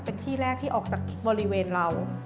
เป็นที่แรกที่ออกจากบริเวณเรา